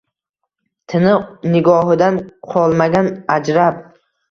Tiniq nigohidan qolmagan ajrab –